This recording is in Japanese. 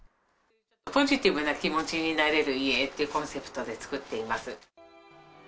ポジティブな気持ちになれる遺影っていうコンセプトで作っています。